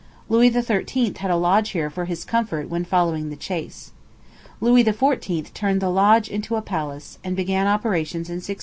Louis XIII. had a lodge here for his comfort when following the chase. Louis XIV. turned the lodge into a palace, and began operations in 1664.